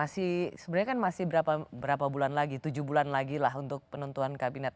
sebenarnya kan masih berapa bulan lagi tujuh bulan lagi lah untuk penentuan kabinet